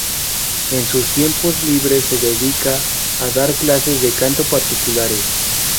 En sus tiempos libres se dedica a dar clases de canto particulares.